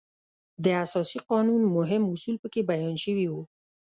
د اساسي قانون مهم اصول په کې بیان شوي وو.